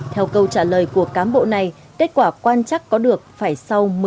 theo câu trả lời của cám bộ này kết quả quan chắc có được phải sau một mươi năm ngày